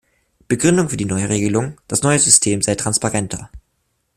Begründung für die Neuregelung: das neue System sei transparenter.